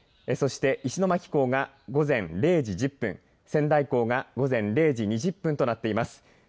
そして石巻港が午前０時１０分仙台港が０時２０分となっています。